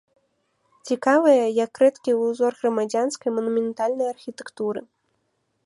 Цікавыя як рэдкі ўзор грамадзянскай манументальнай архітэктуры.